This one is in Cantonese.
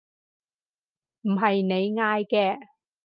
唔係你嗌嘅？